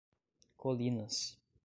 Colinas